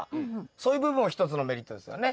そういう部分も一つのメリットですよね。